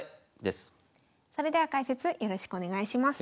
それでは解説よろしくお願いします。